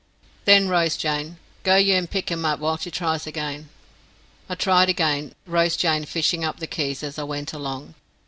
"Then, Rose Jane, go ye an' pick 'em up while she tries again." I tried again, Rose Jane fishing up the keys as I went along.